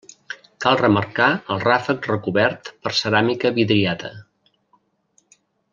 Cal remarcar el ràfec recobert per ceràmica vidriada.